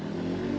aku mau balik